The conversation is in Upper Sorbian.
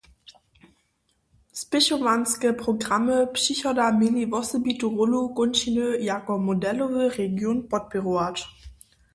Spěchowanske programy přichoda měli wosebitu rólu kónčiny jako modelowy region podpěrować.